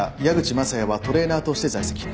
雅也はトレーナーとして在籍。